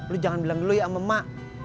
lu jangan bilang dulu ya sama mak